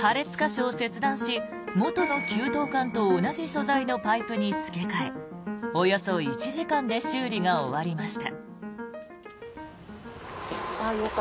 破裂箇所を切断し元の給湯管と同じ素材のパイプにつけ替えおよそ１時間で修理が終わりました。